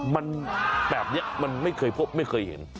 มันแบบนี้มันไม่เคยพบไม่เคยเห็น